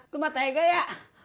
lo mah tega ya